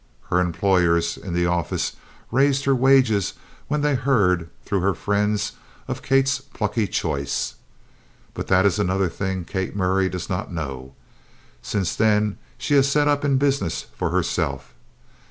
Her employers in the office raised her wages when they heard, through her friends, of Kate's plucky choice; but that is another thing Kate Murray does not know. Since then she has set up in business for herself.